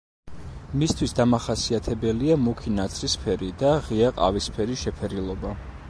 მისთვის დამახასიათებელია მუქი ნაცრისფერი და ღია ყავისფერი შეფერილობა.